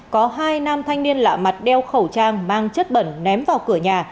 có hai nam thanh niên lạ mặt đeo khẩu trang mang chất bẩn ném vào cửa nhà